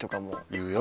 言うよ。